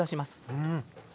うん。